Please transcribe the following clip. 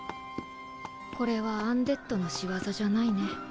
これはアンデッドの仕業じゃないね。